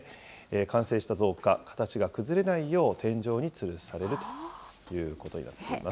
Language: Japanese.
完成した造花、形が崩れないよう天井につるされるということです。